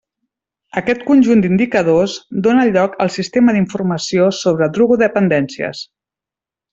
Aquest conjunt d'indicadors dóna lloc al sistema d'informació sobre drogodependències.